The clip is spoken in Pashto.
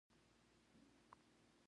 یما لومړنی افسانوي پاچا ګڼل کیږي